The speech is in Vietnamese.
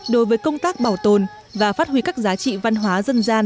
đối với công tác bảo tồn và phát huy các giá trị văn hóa dân gian tại địa phương